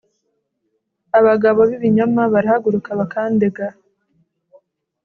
Abagabo b’ibinyoma barahaguruka, bakandega